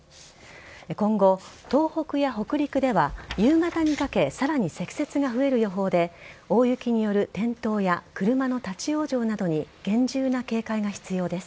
今後、東北や北陸では夕方にかけ、さらに積雪が増える予報で、大雪による転倒や車の立往生などに、厳重な警戒が必要です。